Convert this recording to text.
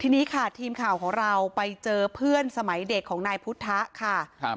ทีนี้ค่ะทีมข่าวของเราไปเจอเพื่อนสมัยเด็กของนายพุทธะค่ะครับ